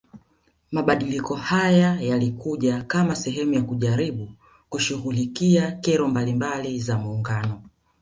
Mabadiliko haya yalikuja kama sehemu ya kujaribu kushughulikia kero mbalimbali za muungano